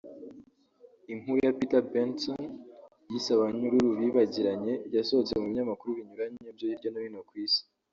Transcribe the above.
Inkuru ya Peter Benenson yise “Abanyururu bibagiranye” yasohotse mu binyamakuru binyuranye byo hirya no hino ku isi